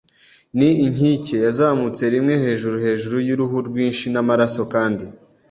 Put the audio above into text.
n'inkike. Yazamutse rimwe hejuru hejuru yuruhu rwinshi namaraso kandi